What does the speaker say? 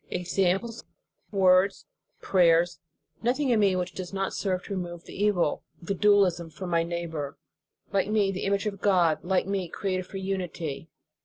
Examples, words, prayers, nothing in me which does not serve to remove the evil, the dualism from my neigh bor, like me, the image of God, like me, created for unity.